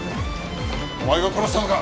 お前が殺したのか？